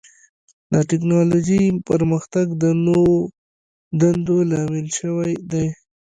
د ټکنالوجۍ پرمختګ د نوو دندو لامل شوی دی.